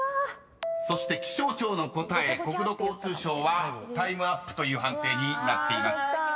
［そして気象庁の答え「国土交通省」はタイムアップという判定になっています］